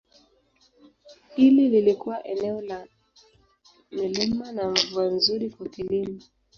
Hili lilikuwa eneo la milima na mvua nzuri kwa kilimo.